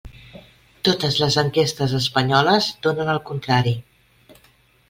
Totes les enquestes espanyoles donen el contrari.